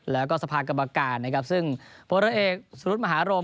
แล้วก็สภาคกรรมการนะครับซึ่งโพนธุระเอกสรุปมหารม